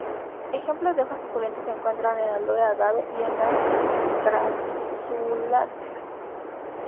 Ejemplos de hojas suculentas se encuentran en "Aloe", "Agave", y en las crasuláceas.